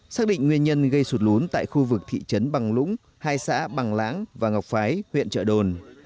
xác định nguyên nhân gây sụt lún tại khu vực thị trấn bằng lũng hai xã bằng lãng và ngọc phái huyện trợ đồn